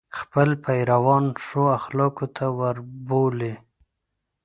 خپل پیروان ښو اخلاقو ته وروبولي.